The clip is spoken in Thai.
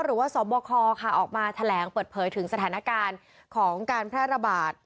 สบคออกมาแถลงเปิดเผยถึงสถานการณ์ของการแพร่ระบาด